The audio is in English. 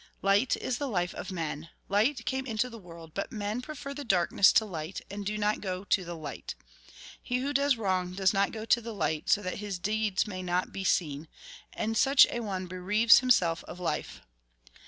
" Light is the life of men ; light came into the world, but men prefer the darkness to light, and do not go to the light. He who does wrong does not go to the light, so that his deeds may not be seen, and such a one bereaves himself of life.